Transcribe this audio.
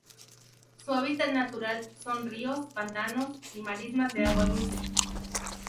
Su hábitat natural son: ríos, pantanos y marismas de agua dulce.